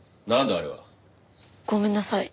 あれは。ごめんなさい。